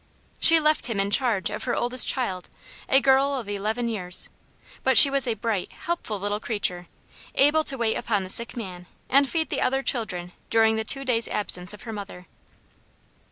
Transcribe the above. She left him in charge of her oldest child, a girl of eleven years, but she was a bright, helpful little creature, able to wait upon the sick man and feed the other children during the two days' absence of her mother.